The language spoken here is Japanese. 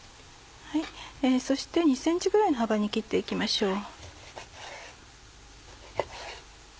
そして２ｃｍぐらいの幅に切って行きましょう。